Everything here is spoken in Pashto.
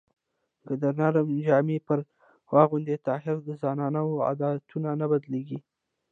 که د نر جامې پرې واغوندې طاهره د زنانو عادتونه نه بدلېږي